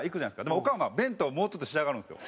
でもおかんは弁当もうちょっとで仕上がるんですよ。